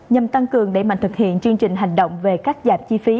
nhằm tăng cường để mạnh thực hiện chương trình hành động về các giảm chi phí